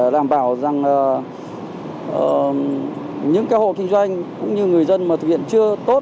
đảm bảo rằng những cơ hội kinh doanh cũng như người dân mà thực hiện chưa tốt